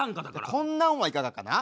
じゃこんなんはいかがかな？